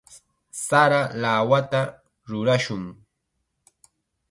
Sara lawata rurashun.